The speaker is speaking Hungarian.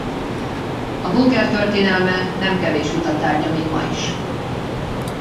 A póker történelme nem kevés vita tárgya még ma is.